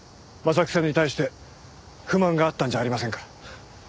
征木さんに対して不満があったんじゃありませんか？